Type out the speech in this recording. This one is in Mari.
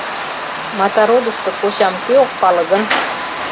Матародышто кочам кӧ ок пале гын?